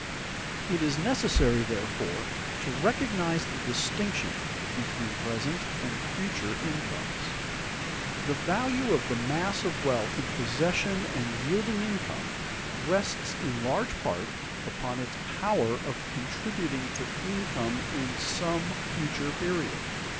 It is necessary therefore to recognize the distinction between present and future incomes. The value of the mass of wealth in possession and yielding income, rests in large part upon its power of contributing to income in some future period.